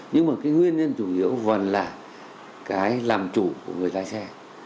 nhưng mà cái nguyên nhân chủ yếu vẫn là cái làm chủ của người lái xe